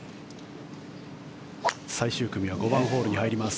最終組は５番ホールに入ります。